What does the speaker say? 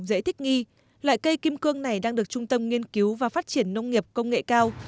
dễ thích nghi loại cây kim cương này đang được trung tâm nghiên cứu và phát triển nông nghiệp công nghệ cao